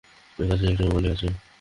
কাছেই একটা মলে আছি।